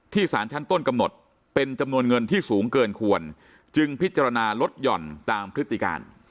สารชั้นต้นกำหนดเป็นจำนวนเงินที่สูงเกินควรจึงพิจารณาลดหย่อนตามพฤติการ